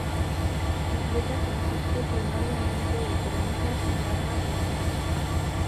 Su dieta consiste primariamente de termitas y larvas de hormigas.